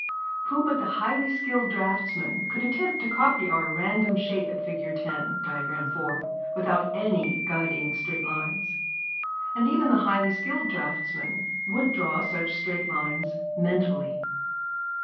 Who but the highly skilled draughtsman could attempt to copy our random shape at Fig. X, page 87 [Transcribers Note: Diagram IV], without any guiding straight lines? And even the highly skilled draughtsman would draw such straight lines mentally.